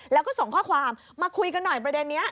แล้วก็ส่งข้อความมาคุยกันหน่อยประเด็นนี้